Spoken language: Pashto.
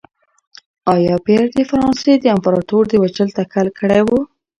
ایا پییر د فرانسې د امپراتور د وژلو تکل کړی و؟